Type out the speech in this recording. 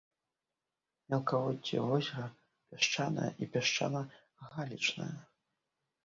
Мелкаводдзе возера пясчанае і пясчана-галечнае.